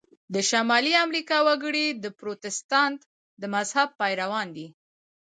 د شمالي امریکا وګړي د پروتستانت د مذهب پیروان دي.